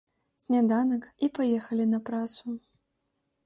Сняданак, і паехалі на працу.